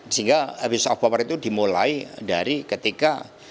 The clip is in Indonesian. sehingga abuse of power itu dimulai dari ketika